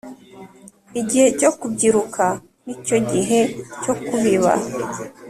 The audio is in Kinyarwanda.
. Igihe cyo kubyiruka nicyo gihe cyo kubiba